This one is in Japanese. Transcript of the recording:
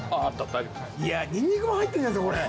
いやニンニクも入ってるじゃないですかこれ。